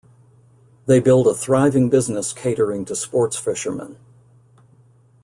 They build a thriving business catering to sports fishermen.